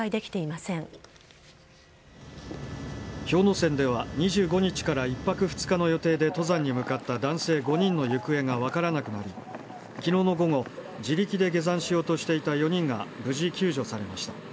山では、２５日から１泊２日の予定で登山に向かった男性５人の行方が分からなくなり、きのうの午後、自力で下山しようとしていた４人が無事救助されました。